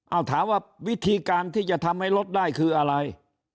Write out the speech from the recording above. เอาถามว่าวิธีการที่จะทำให้ลดได้คืออะไร